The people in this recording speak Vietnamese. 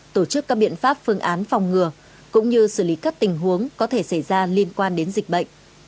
tổ chức các biện pháp phương án phòng ngừa cũng như xử lý các tình huống có thể xảy ra liên quan đến dịch bệnh